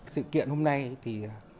sự kiện hôm nay thì